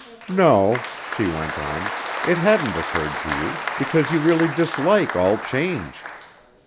"No," she went on. "It hadn't occurred to you, because you really dislike all change.